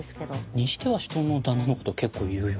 にしては人の旦那のこと結構言うよな。